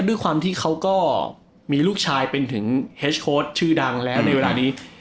ด้วยความที่เขาก็มีลูกชายเป็นถึงเฮสโค้ดชื่อดังแล้วในเวลานี้